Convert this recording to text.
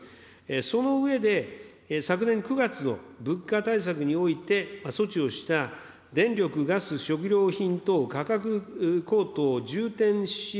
その上で、昨年９月の、物価対策において措置をした電力・ガス・食料品等価格高騰重点支援